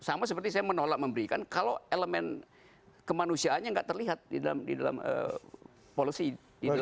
sama seperti saya menolak memberikan kalau elemen kemanusiaannya nggak terlihat di dalam policy